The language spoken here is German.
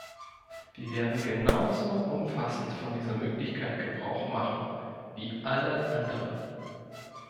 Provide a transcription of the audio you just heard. Wir werden genauso umfassend von dieser Möglichkeit Gebrauch machen wie alle anderen.